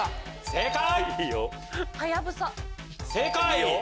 正解！